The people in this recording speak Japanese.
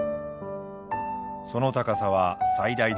その高さは最大で８ｍ。